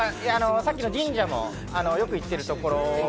さっきの神社もよく行ってるところ。